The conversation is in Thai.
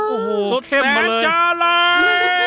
โอ้โหเข้มมาเลยสุดแสนจารัย